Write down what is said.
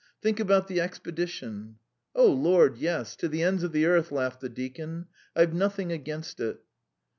Think about the expedition." "Oh Lord, yes! to the ends of the earth," laughed the deacon. "I've nothing against it."